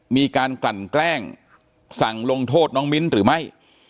มีการกลั่นแกล้งสั่งลงโทษน้องมิ้นหรือไม่